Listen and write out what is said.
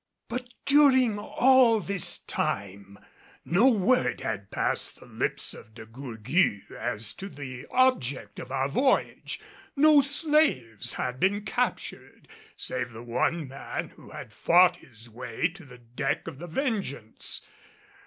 But during all this time no word had passed the lips of De Gourgues as to the object of our voyage. No slaves had been captured, save the one man who had fought his way to the deck of the Vengeance.